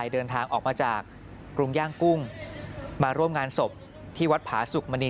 เดินทางออกมาจากกรุงย่างกุ้งมาร่วมงานศพที่วัดผาสุกมณี